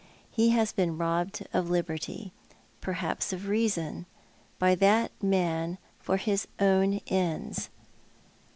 He has been robbed of liberty — per haps of reason — by that man, for his own end«."